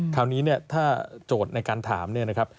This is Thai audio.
คราวนี้เนี่ยถ้าโจทย์ในการถามเนี่ยนะครับ